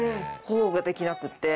こうができなくて。